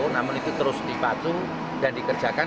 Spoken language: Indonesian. namun itu terus dipacu dan dikerjakan